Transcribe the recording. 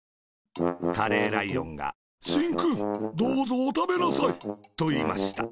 カレーライオンが「しんくん、どうぞおたべなさい。」と、いいました。